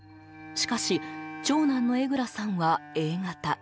しかし、長男の江蔵さんはＡ型。